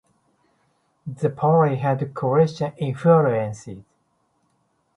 The party had Christian influences.